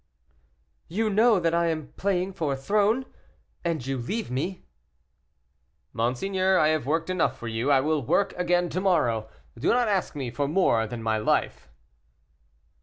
"You know that I am playing for a throne, and you leave me." "Monseigneur, I have worked enough for you; I will work again to morrow, do not ask me for more than my life."